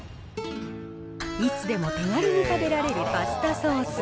いつでも手軽に食べられるパスタソース。